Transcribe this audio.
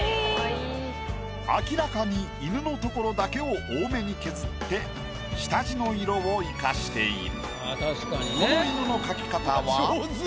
明らかに犬の所だけを多めに削って下地の色を生かしている。